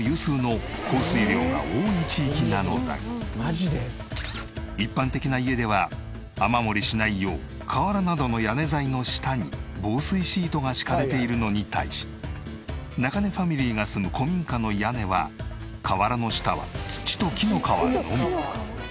実はここ一般的な家では雨漏りしないよう瓦などの屋根材の下に防水シートが敷かれているのに対し中根ファミリーが住む古民家の屋根は瓦の下は土と木の皮のみ。